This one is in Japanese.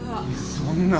そんな。